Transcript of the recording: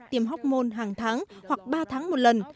tiềm hốc môn hàng tháng hoặc ba tháng một lần